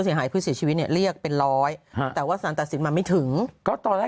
เสียหายผู้เสียชีวิตเนี่ยเรียกเป็นร้อยแต่ว่าสารตัดสินมาไม่ถึงก็ตอนแรก